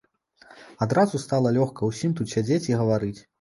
Адразу стала лёгка ўсім тут сядзець і гаварыць.